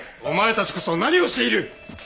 お前たちこそ何をしている！